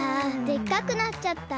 でっかくなっちゃった。